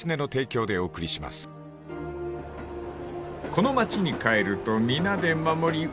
［この町に帰ると皆で守り受け継ぐ